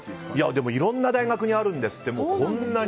いろんな大学にあるんですって。